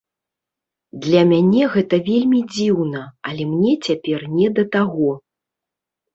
Для мяне гэта вельмі дзіўна, але мне цяпер не да таго.